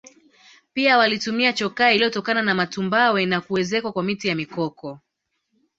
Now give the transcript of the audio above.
pia walitumia chokaa iliyotokana na matumbawe na kuezekwa kwa miti ya mikoko